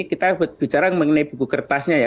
kita bicara mengenai buku kertasnya ya